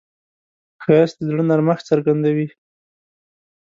ښایست د زړه نرمښت څرګندوي